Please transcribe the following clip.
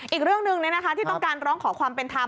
อีกเรื่องหนึ่งที่ต้องการร้องขอความเป็นธรรม